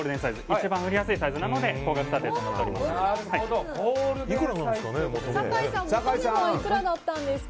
一番売りやすいサイズなので高額査定となっています。